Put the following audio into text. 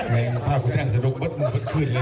แม่งภาพของแท่งสนุกมันหมดขึ้นเลย